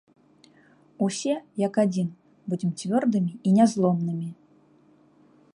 Усе, як адзін, будзем цвёрдымі і нязломнымі!